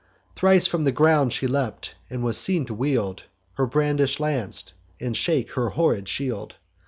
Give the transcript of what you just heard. Thrice from the ground she leap'd, was seen to wield Her brandish'd lance, and shake her horrid shield.